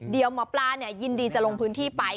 เดี๋ยวหมอปลายินดีจะลงพื้นที่ไป